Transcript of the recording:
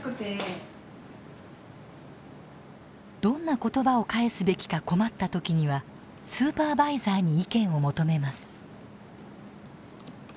どんな言葉を返すべきか困った時にはスーパーバイザーに意見を求めます。